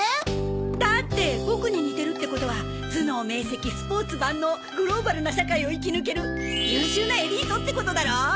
だってボクに似てるってことは頭脳明晰スポーツ万能グローバルな社会を生き抜ける優秀なエリートってことだろ？